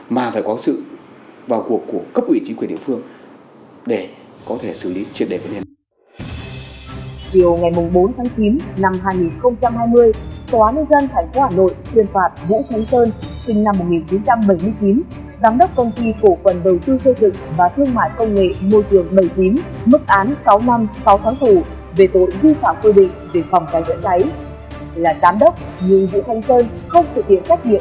mà phải có sự vào cuộc của cơ quan quản lý nước về phòng cháy cháy